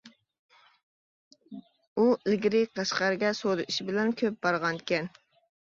ئۇ ئىلگىرى قەشقەرگە سودا ئىشى بىلەن كۆپ بارغانىكەن.